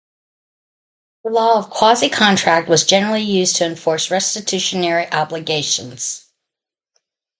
The law of quasi-contract was generally used to enforce restitutionary obligations.